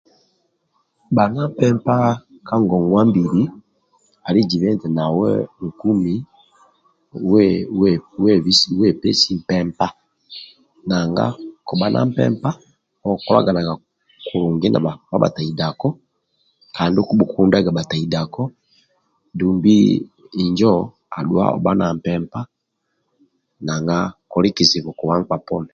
Bha na mpempa ka ngongwa mbili ali zibe eti nawe nkumi wepesi mpempa nanga kukbha na mpempa okukolaganaga kulungi na bhataidako kandi okubhulundaga bhataidako nanga kuli kizibu kowa nkpa poni